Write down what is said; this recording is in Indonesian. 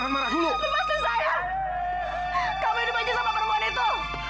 kamu hidup aja sama perempuan itu